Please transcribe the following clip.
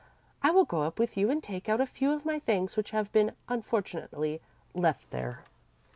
I will go up with you and take out a few of my things which have been unfortunately left there."